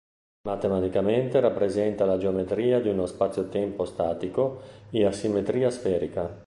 Matematicamente, rappresenta la geometria di uno spazio-tempo statico e a simmetria sferica.